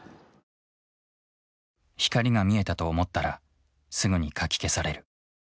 光が見えたと思ったらすぐにかき消される。